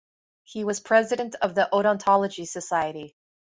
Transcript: He was president of the Odontology Society.